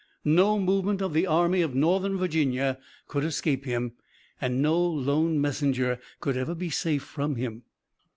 No movement of the Army of Northern Virginia could escape him, and no lone messenger could ever be safe from him.